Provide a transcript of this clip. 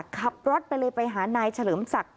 ขับรถไปเลยไปหานายเฉลิมศักดิ